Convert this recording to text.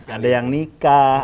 ada yang nikah